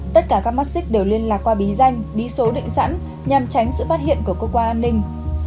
tất cả các mắt xích đều liên lạc qua bí danh bí số định sẵn nhằm tránh sự phát hiện của cơ quan an ninh